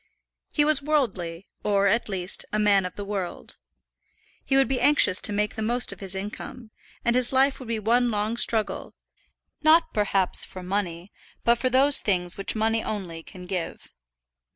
He was worldly, or, at least, a man of the world. He would be anxious to make the most of his income, and his life would be one long struggle, not perhaps for money, but for those things which money only can give.